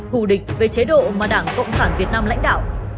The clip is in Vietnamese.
hù địch về chế độ mà đảng cộng sản việt nam lãnh đạo